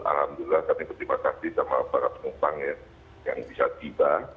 alhamdulillah kami berterima kasih sama para penumpang yang bisa tiba